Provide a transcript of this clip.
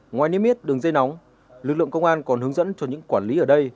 ngoài nếm miết đường dây nóng lực lượng công an còn hướng dẫn cho những quản lý ở đây